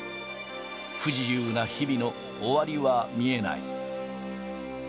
不自由な日々の終わりは見えない。